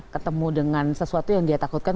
ketemu dengan sesuatu yang dia takutkan